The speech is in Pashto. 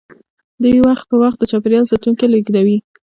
دوی وخت په وخت د چاپیریال ساتونکي لیږدوي